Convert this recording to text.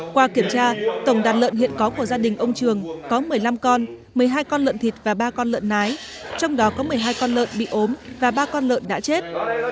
qua kiểm tra tổng đàn lợn hiện có của gia đình ông trường có một mươi năm con một mươi hai con lợn thịt và ba con lợn nái trong đó có một mươi hai con lợn bị ốm và ba con lợn đã chết